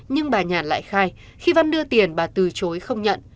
nhưng bà nhàn lại khai khi văn đưa tiền bà từ chối không nhận